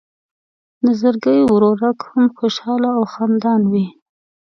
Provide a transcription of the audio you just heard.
نظرګی ورورک هم خوشحاله او خندان وي.